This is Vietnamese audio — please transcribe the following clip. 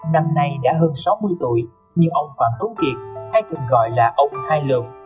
năm nay đã hơn sáu mươi tuổi nhưng ông phạm tuấn kiệt hay thường gọi là ông hai lượng